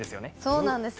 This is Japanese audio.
そうなんです。